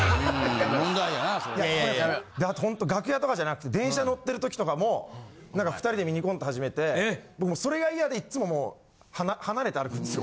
あとほんと楽屋とかじゃなくて電車乗ってる時とかも何か２人でミニコント始めてそれが嫌でいっつももう離れて歩くんですよ